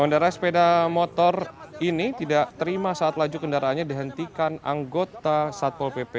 mengendarai sepeda motor ini tidak terima saat laju kendaraannya dihentikan anggota satpol pp